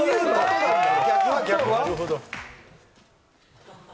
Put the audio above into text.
逆は？